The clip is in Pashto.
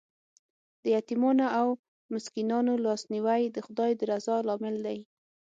د یتیمانو او مسکینانو لاسنیوی د خدای د رضا لامل دی.